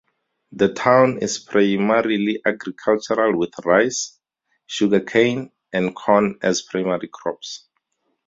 The town is primarily agricultural with rice, sugarcane and corn as primary crops.